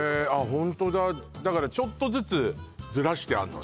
ホントだだからちょっとずつズラしてあんのね